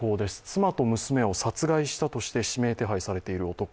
妻と娘を殺害したとして指名手配されている男、